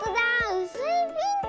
うすいピンク！